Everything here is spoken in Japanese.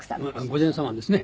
御前様ですね。